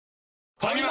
ファミマ！